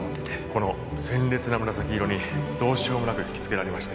この鮮烈な紫色にどうしようもなく引きつけられまして